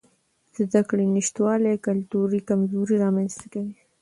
د زده کړې نشتوالی کلتوري کمزوري رامنځته کوي.